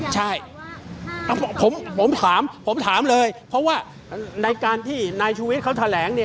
ใช่ผมถามเลยเพราะว่าในการที่นายชุวิตเขาแถลงเนี่ย